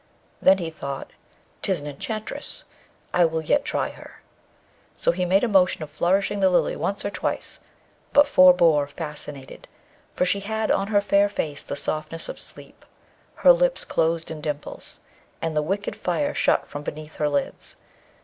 Then he thought, ''Tis an enchantress! I will yet try her.' So he made a motion of flourishing the Lily once or twice, but forbore, fascinated, for she had on her fair face the softness of sleep, her lips closed in dimples, and the wicked fire shut from beneath her lids.